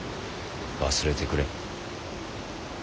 忘れてくれ。